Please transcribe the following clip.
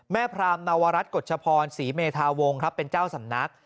แม่พรามนวรัฐกฎชพรศรีเมริธาวงศ์เป็นเจ้าสำนัก